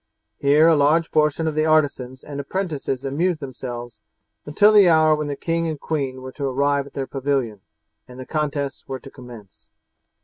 Here a large portion of the artisans and apprentices amused themselves until the hour when the king and queen were to arrive at their pavilion, and the contests were to commence.